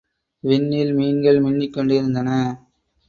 விண்ணில் மீன்கள் மின்னிக்கொண்டிருந்தன.